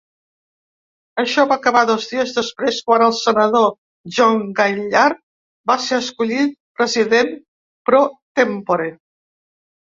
Això va acabar dos dies després, quan el senador John Gaillard va ser escollit president pro tempore.